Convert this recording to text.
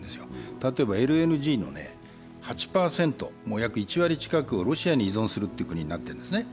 例えば、ＬＮＧの８％、もう約１割近くをロシアに依存する国になっているんですね。